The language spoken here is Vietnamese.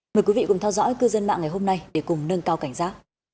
mời quý vị cùng theo dõi cư dân mạng ngày hôm nay để cùng nâng cao cảnh giác